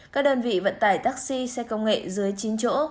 các đơn vị vận tải taxi xe công nghệ dưới chín chỗ